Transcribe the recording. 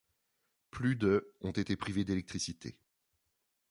Plus de ont été privés d'électricité.